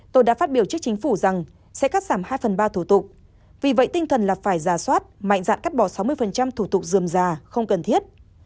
tôi đã phát biểu trước chính phủ rằng sẽ cắt giảm hai phần ba thủ tục vì vậy tinh thần là phải giả soát mạnh dạn cắt bỏ sáu mươi thủ tục dườm già không cần thiết